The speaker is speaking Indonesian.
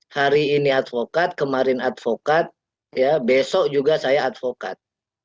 hari ini advokat kemarin advokat besok juga saya advokat